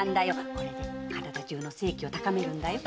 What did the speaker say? これで体中の精気を高めるんだよ。